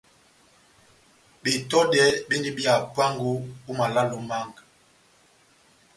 Betɔdɛ bendi bia hapuango ó malale ó mánga.